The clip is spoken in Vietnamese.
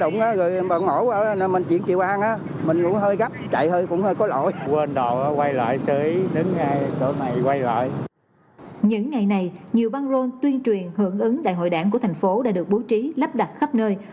những ngày này nhiều băng rôn tuyên truyền hưởng ứng đại hội đảng của thành phố đã được bố trí lắp đặt khắp nơi